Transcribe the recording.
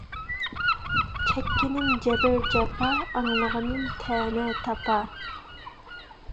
چەككىنىم جەبر-جاپا، ئاڭلىغىنىم تەنە – تاپا